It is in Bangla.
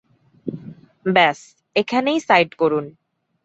ব্যাস, এখানেই সাইড করুন।